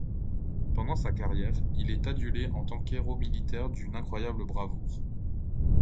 Pendant sa carrière, il est adulé en tant que héros militaire d'une incroyable bravoure.